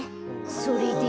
それで？